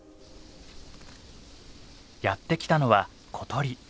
やって来たのは小鳥。